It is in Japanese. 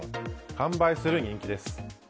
完売する人気です。